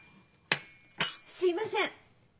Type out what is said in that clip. すいません。